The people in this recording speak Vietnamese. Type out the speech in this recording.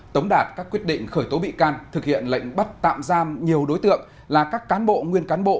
tống đạt các quyết định khởi tố bị can thực hiện lệnh bắt tạm giam nhiều đối tượng là các cán bộ nguyên cán bộ